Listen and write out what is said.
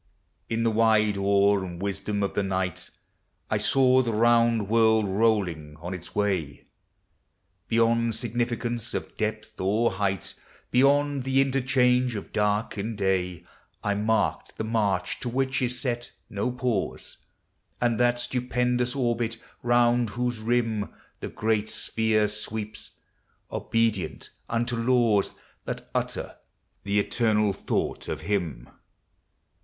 In the wide awe and wisdom of the night I saw the round world rolling on its way, Beyond significance of depth or height, Beyond the interchange of dark and day. I marked the march to which is se1 no pause, And that stupendous orbit, round whose rim The great sphere sweeps, obedient unto laws That utter the eternal thought of Bim.